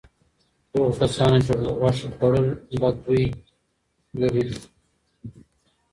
هغو کسانو چې غوښه خوړلې بد بوی لري.